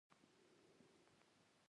هغې او زوم یې پیاوړی مرکزي دولت جوړ کړ.